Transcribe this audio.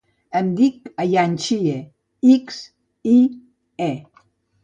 Em dic Ayaan Xie: ics, i, e.